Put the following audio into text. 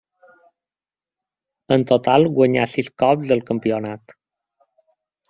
En total guanyà sis cops el campionat.